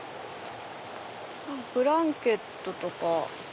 ブランケットとか。